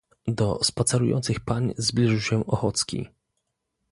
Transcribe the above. "Do spacerujących pań zbliżył się Ochocki."